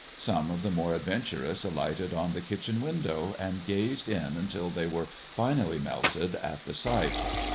Some of the more adventurous alighted on the kitchen window and gazed in until they were finally melted at the sight.